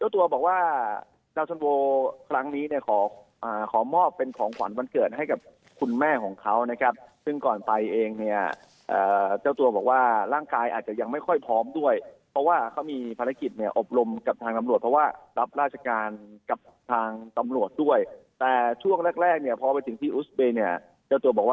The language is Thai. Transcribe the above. ถึงผลงานที่เจ้าตัวบอกว่ายอดเยี่ยมเลยทีเดียว